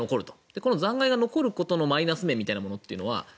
この残骸が残ることのマイナス面みたいなものは。